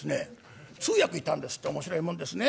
通訳いたんですって面白いもんですね。